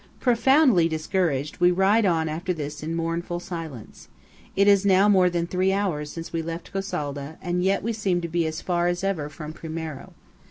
Profoundly discouraged, we ride on after this in mournful silence. It is now more than three hours since we left Gosalda and yet we seem to be as far as ever from Primiero.